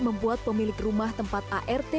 membuat pemilik rumah tempat art